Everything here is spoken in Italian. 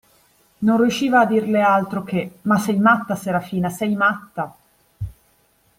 Non riusciva a dirle altro che: – Ma sei matta, Serafina, sei matta!